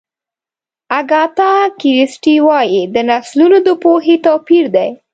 اګاتا کریسټي وایي د نسلونو د پوهې توپیر دی.